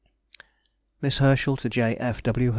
MISS HERSCHEL TO J. F. W.